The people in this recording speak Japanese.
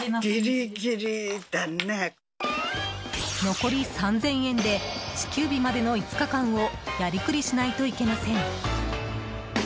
残り３０００円で支給日までの５日間をやり繰りしないといけません。